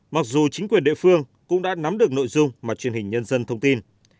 mặc dù chính quyền địa phương cũng đã nắm được nội dung mà truyền hình nhân dân thông tin